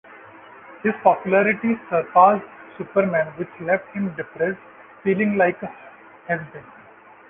His popularity surpassed Superman which left him depressed, feeling like a has-been.